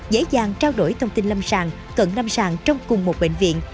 dễ dàng trao đổi thông tin lâm sàng cận lâm sàng trong cùng một bệnh viện